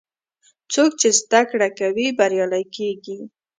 څوک چې زده کړه کوي، بریالی کېږي.